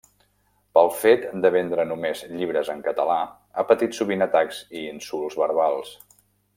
Pel fet de vendre només llibres en català ha patit sovint atacs i insults verbals.